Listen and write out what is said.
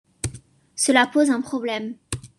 Cela pose un problème.